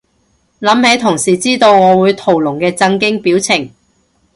諗起同事知道我會屠龍嘅震驚表情